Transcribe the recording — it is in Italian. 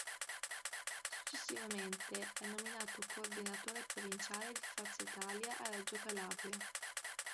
Successivamente è nominato Coordinatore provinciale di Forza Italia a Reggio Calabria.